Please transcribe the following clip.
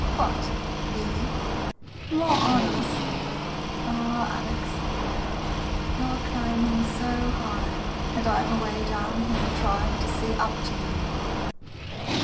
] What — really? More honors? Ah— Alex, you're climbing so high, and I'm away down here, trying to see up to you.